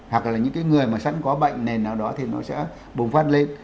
hoặc là những cái người mà sẵn có bệnh nền nào đó thì nó sẽ bùng phát lên